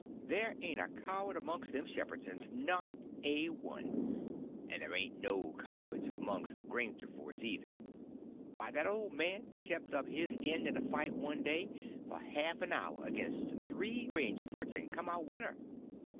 There ain't a coward amongst them Shepherdsons—not a one. And there ain't no cowards amongst the Grangerfords either. Why, that old man kep' up his end in a fight one day for half an hour against three Grangerfords, and come out winner.